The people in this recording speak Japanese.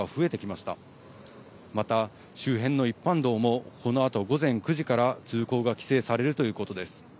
また、周辺の一般道もこのあと午前９時から通行が規制されるということです。